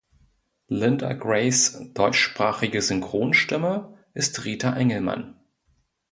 Linda Grays deutschsprachige Synchronstimme ist Rita Engelmann.